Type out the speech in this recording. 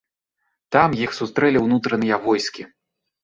Там іх сустрэлі ўнутраныя войскі.